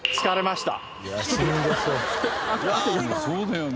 そうだよね。